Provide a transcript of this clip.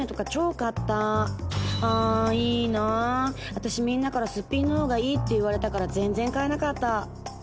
私みんなからすっぴんのほうがいいって言われたから全然買えなかった」。